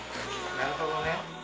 なるほどね。